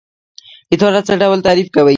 اداره څه ډول تعریف کوئ؟